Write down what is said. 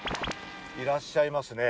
いらっしゃいますね。